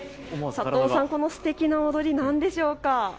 佐藤さん、このすてきな踊り、なんでしょうか。